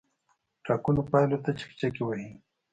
ټاکنو پایلو ته چکچکې وهي.